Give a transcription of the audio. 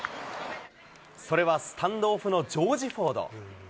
それはスタンドオフのジョージ・フォード。